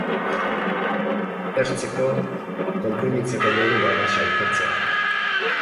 Hertzeko, konprimitzeko modu bat da sailkatzea.